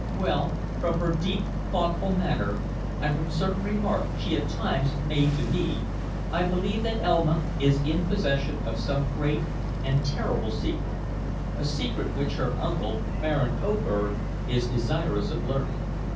"Well, from her deep, thoughtful manner, and from certain remarks she at times made to me, I believe that Elma is in possession of some great and terrible secret a secret which her uncle, Baron Oberg, is desirous of learning.